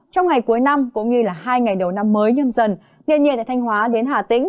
trong ngày cuối năm cũng như hai ngày đầu năm mới nhâm dần nền nhiệt tại thanh hóa đến hà tĩnh